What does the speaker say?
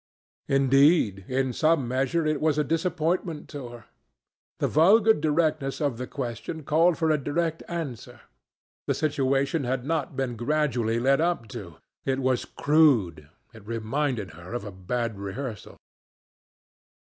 Indeed, in some measure it was a disappointment to her. The vulgar directness of the question called for a direct answer. The situation had not been gradually led up to. It was crude. It reminded her of a bad rehearsal.